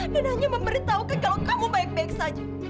dan hanya memberitahukan kalau kamu baik baik saja